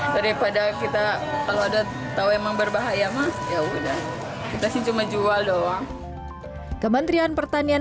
daripada kita kalau udah tahu emang berbahaya mas ya udah kita sih cuma jual doang kementerian pertanian